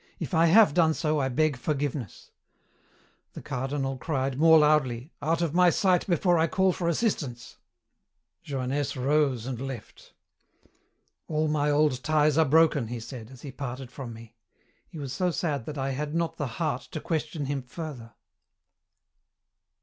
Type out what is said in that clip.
If I have done so, I beg forgiveness.' "The Cardinal cried more loudly, 'Out of my sight before I call for assistance!' "Johannès rose and left. "'All my old ties are broken,' he said, as he parted from me. He was so sad that I had not the heart to question him further."